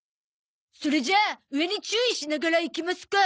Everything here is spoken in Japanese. それじゃあ上に注意しながら行きますか。